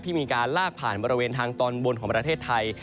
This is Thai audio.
มีการลากผ่านบริเวณทางตอนบนของประเทศไทย